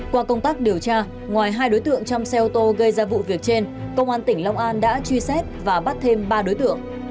qua công tác điều tra ngoài hai đối tượng trong xe ô tô gây ra vụ việc trên công an tỉnh long an đã truy xét và bắt thêm ba đối tượng